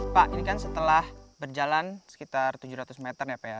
pak ini kan setelah berjalan sekitar tujuh ratus meter ya pak ya